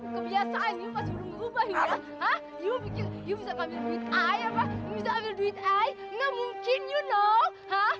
katanya non disini aja